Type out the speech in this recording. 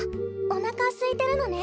おなかすいてるのね。